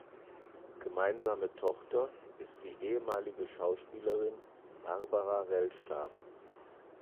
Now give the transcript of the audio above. Gemeinsame Tochter ist die ehemalige Schauspielerin Barbara Rellstab.